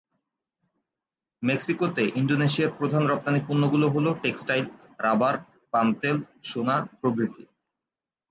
মেক্সিকোতে ইন্দোনেশিয়ার প্রধান রপ্তানি পণ্যগুলো হল, টেক্সটাইল, রাবার, পাম তেল, সোনা প্রভৃতি।